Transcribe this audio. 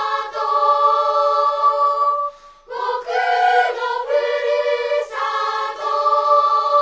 「僕のふるさと」